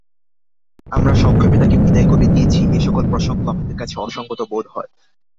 আমরা সংক্ষেপে তাকে বিদায় করে দিয়েছি– এ-সকল প্রসঙ্গও আমাদের কাছে অসংগত বোধ হয়।